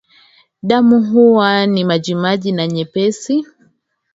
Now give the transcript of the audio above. Damu huwa ni majimaji na nyepesi